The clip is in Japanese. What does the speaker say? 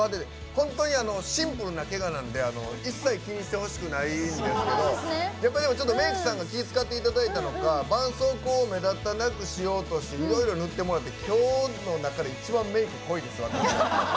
本当にシンプルなけがなんで一切気にしてほしくないんですけどやっぱりでもメークさんが気ぃ遣っていただいたのかばんそうこうを目立たなくしようとしていろいろ塗ってもらってきょうの中で一番メーク濃いです私。